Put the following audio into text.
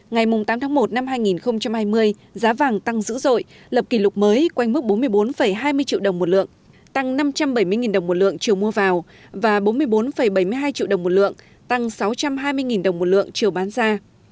ngày tám tháng một năm hai nghìn hai mươi giá vàng tăng dữ dội lập kỷ lục mới quanh mức bốn mươi bốn hai mươi triệu đồng một lượng tăng năm trăm bảy mươi đồng một lượng chiều mua vào và bốn mươi bốn bảy mươi hai triệu đồng một lượng tăng sáu trăm hai mươi đồng một lượng chiều bán ra